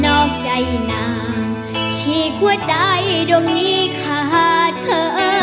นอกใจนางฉีกหัวใจดวงนี้ขาดเธอ